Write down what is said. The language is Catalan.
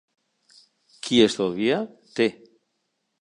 Qui estalvia té.